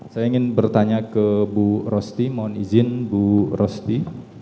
saya ingin bertanya ke bu rosti mohon izin bu rosti